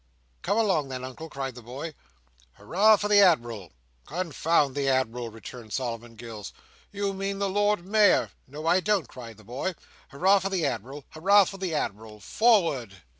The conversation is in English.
"Come along then, Uncle!" cried the boy. "Hurrah for the admiral!" "Confound the admiral!" returned Solomon Gills. "You mean the Lord Mayor." "No I don't!" cried the boy. "Hurrah for the admiral! Hurrah for the admiral! For ward!"